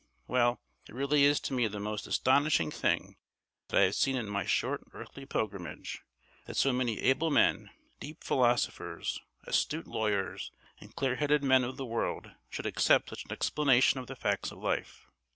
Well, it really is to me the most astonishing thing that I have seen in my short earthly pilgrimage, that so many able men, deep philosophers, astute lawyers, and clear headed men of the world should accept such an explanation of the facts of life.